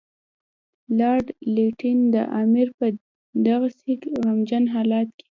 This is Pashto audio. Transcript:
لارډ لیټن د امیر په دغسې غمګین حالت کې.